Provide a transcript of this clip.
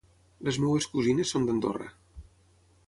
Les meves cosines són d'Andorra.